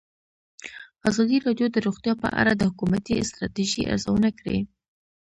ازادي راډیو د روغتیا په اړه د حکومتي ستراتیژۍ ارزونه کړې.